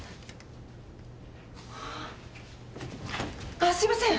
あっすいません。